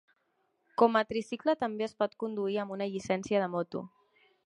Com a tricicle també es pot conduir amb una llicència de moto.